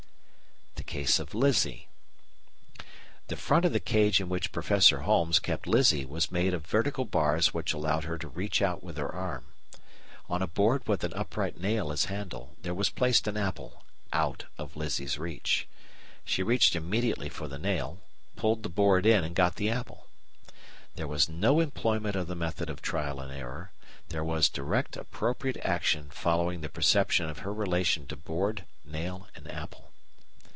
The Case of Lizzie The front of the cage in which Professor Holmes kept Lizzie was made of vertical bars which allowed her to reach out with her arm. On a board with an upright nail as handle, there was placed an apple out of Lizzie's reach. She reached immediately for the nail, pulled the board in and got the apple. "There was no employment of the method of trial and error; there was direct appropriate action following the perception of her relation to board, nail, and apple."